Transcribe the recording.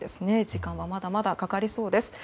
時間はまだまだかかりそうです。